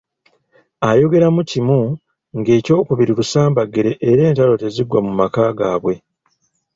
Ayogeramu kimu ng'ekyokubiri lusambaggere era entalo teziggwa mu maka gaabwe.